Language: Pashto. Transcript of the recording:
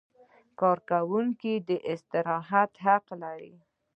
کارکوونکی د استراحت حق لري.